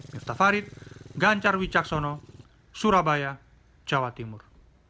mirta farid gancar wijaksono surabaya jawa timur